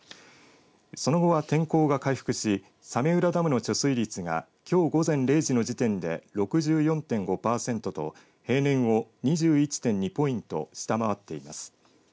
その後は天候が回復し早明浦ダムの貯水率がきょう午前０時の時点で６４．５パーセントと平年を２１．２ポイント下回っています。